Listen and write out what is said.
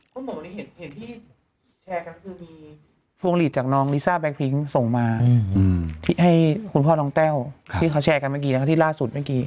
ก็บอกว่าเหตุที่แชร์กันคือมีพวงหลีดจากน้องลิซ่าแก๊พริ้งส่งมาให้คุณพ่อน้องแต้วที่เขาแชร์กันเมื่อกี้นะคะที่ล่าสุดเมื่อกี้